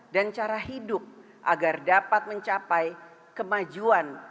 dan cara hidup agar dapat mencapai kemajuan